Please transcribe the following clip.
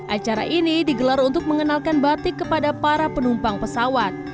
acara ini digelar untuk mengenalkan batik kepada para penumpang pesawat